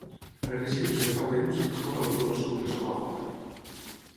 A Grècia des de fa temps és molt habitual sortir a sopar a fora.